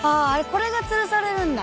これがつるされるんだ